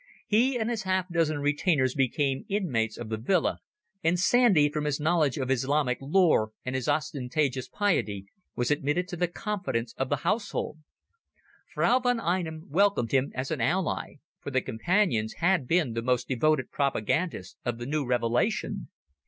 He and his half dozen retainers became inmates of the villa, and Sandy, from his knowledge of Islamic lore and his ostentatious piety, was admitted to the confidence of the household. Frau von Einem welcomed him as an ally, for the Companions had been the most devoted propagandists of the new revelation.